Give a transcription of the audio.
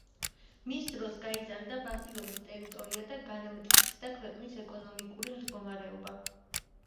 მის დროს გაიზარდა ბაბილონის ტერიტორია და განმტკიცდა ქვეყნის ეკონომიკური მდგომარეობა.